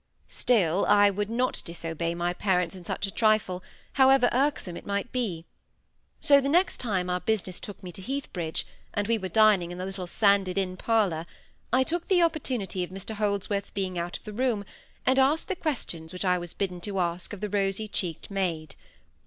Still, I would not disobey my parents in such a trifle, however irksome it might be. So the next time our business took me to Heathbridge, and we were dining in the little sanded inn parlour, I took the opportunity of Mr Holdsworth's being out of the room, and asked the questions which I was bidden to ask of the rosy cheeked maid.